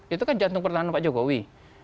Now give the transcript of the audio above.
itu kan jantung pertahanan pak jokowi